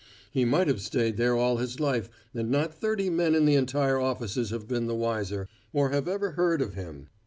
He might have stayed there all his life and not thirty men in the entire offices have been the wiser, or have ever heard of him.